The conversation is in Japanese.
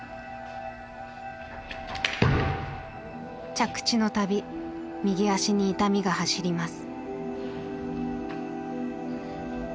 着地のたび右足に痛みが走ります。